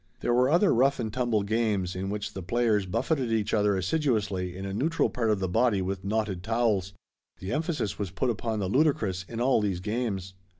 There were other rough and tumble games in which the players buffeted each other assiduously in a neutral part of the body with knotted towels. The emphasis was put upon the ludicrous in all these games.